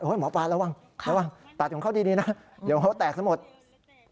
หมอปลาระวังระวังตัดของเขาดีนะเดี๋ยวเขาแตกซะหมด